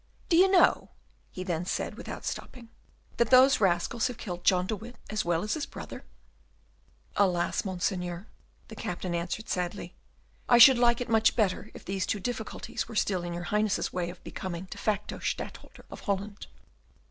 "Do you know," he then said, without stopping, "that those rascals have killed John de Witt as well as his brother?" "Alas! Monseigneur," the Captain answered sadly, "I should like it much better if these two difficulties were still in your Highness's way of becoming de facto Stadtholder of Holland."